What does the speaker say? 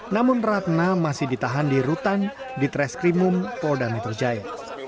namun ratna masih ditahan di rutan di treskrimum polda metro jaya